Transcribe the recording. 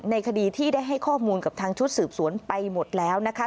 ในคดีที่ได้ให้ข้อมูลกับทางชุดสืบสวนไปหมดแล้วนะคะ